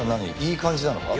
いい感じなのか？